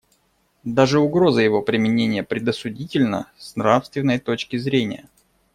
Даже угроза его применения предосудительна с нравственной точки зрения.